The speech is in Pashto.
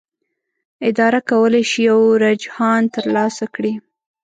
اداره کولی شي یو رجحان ترلاسه کړي.